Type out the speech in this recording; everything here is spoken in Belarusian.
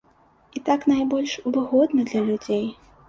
І так найбольш выгодна для людзей.